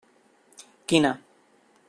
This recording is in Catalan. Quina?